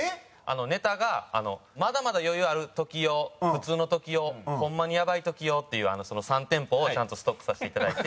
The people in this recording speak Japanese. ネタがまだまだ余裕ある時用普通の時用ホンマにやばい時用っていう３店舗をちゃんとストックさせていただいて。